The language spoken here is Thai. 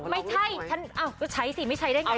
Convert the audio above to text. ไม่ใช่ฉันก็ใช้สิไม่ใช้ได้ไง